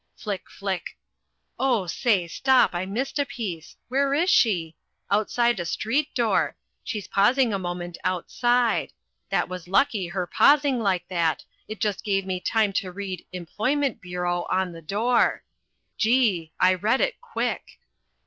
Flick, flick Oh, say, stop! I missed a piece where is she? Outside a street door she's pausing a moment outside that was lucky her pausing like that it just gave me time to read EMPLOYMENT BUREAU on the door. Gee! I read it quick.